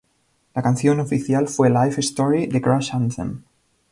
La canción oficial fue "Life Story" de Crash Anthem.